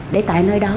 để tại nơi đó